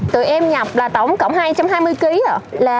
tụi em nhập là tổng cộng hai trăm hai mươi kg